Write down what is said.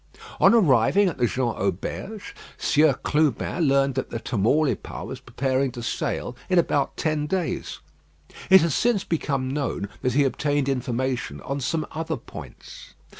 On arriving at the Jean Auberge, Sieur Clubin learnt that the Tamaulipas was preparing to sail in about ten days. It has since become known that he obtained information on some other points.